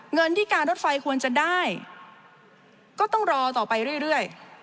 เงินที่การรถไฟควรจะได้ก็ต้องรอต่อไปเรื่อย